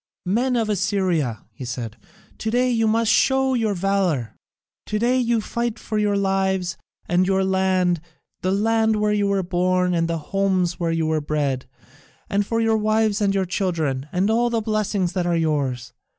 "Men of Assyria," he said, "to day you must show your valour. To day you fight for your lives and your land, the land where you were born and the homes where you were bred, and for your wives and your children, and all the blessings that are yours.